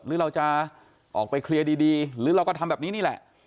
หรือเราจะออกไปเคลียร์ดีหรือเราก็ทำแบบนี้นี่แหละ